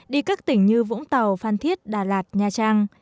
đi các tỉnh như vũng tàu phan thiết đà lạt nha trang